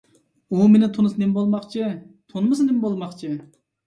ئۇ مېنى تونۇسا نېمە بولماقچى، تونىمىسا نېمە بولماقچى؟